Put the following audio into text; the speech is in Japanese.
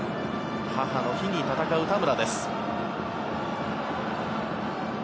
母の日に戦う田村です。